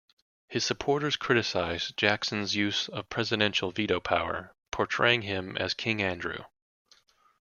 His supporters criticized Jackson's use of presidential veto power, portraying him as King Andrew.